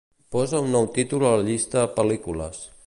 Posa un nou títol a la llista "pel·lícules".